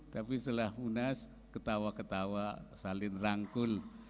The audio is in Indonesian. tapi setelah munas ketawa ketawa saling rangkul